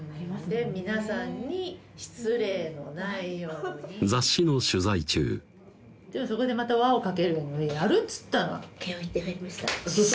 で皆さんに失礼のないように雑誌の取材中そこでまた輪をかけるやるっつったらよし！